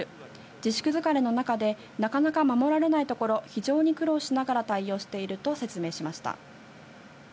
自粛疲れの中でなかなか守られないところ、非常に苦労しながら対応していると説明しました。